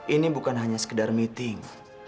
ini bukan hanya sekedar meeting